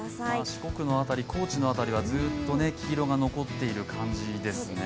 四国の辺り、高知の辺りはずっと黄色が残ってる感じですね。